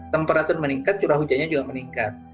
temperatur meningkat curah hujannya juga meningkat